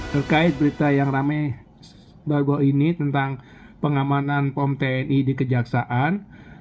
berkait berita yang ramai baru ini tentang pengamanan pomp tni di kejaksaan